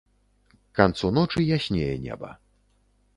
К канцу ночы яснее неба.